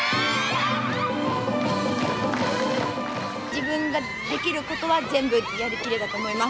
自分ができることは全部やりきれたと思います。